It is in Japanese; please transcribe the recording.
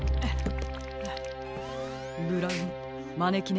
ブラウンまねきね